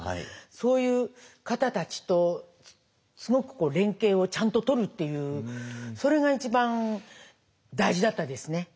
そういう方たちとすごく連携をちゃんととるっていうそれが一番大事だったですね。